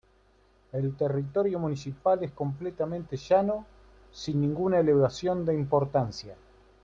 El territorio municipal es completamente llano, sin ninguna elevación de importancia.